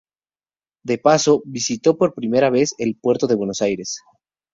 De paso, visitó por primera vez el Puerto de Buenos Aires.